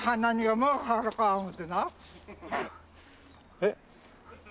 えっ？